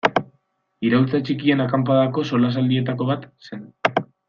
Iraultza Txikien Akanpadako solasaldietako bat zen.